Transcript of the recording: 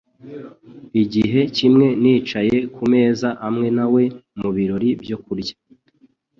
Igihe kimwe nicaye kumeza amwe nawe mubirori byo kurya.